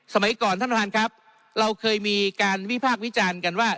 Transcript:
สมัยก่อนท่านประธานครับเราเคยมีการวิพากษ์วิจารณ์กันว่า